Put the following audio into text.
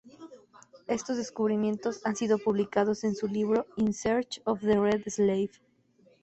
Estos descubrimientos han sido publicados en su libro "In Search of the Red Slave".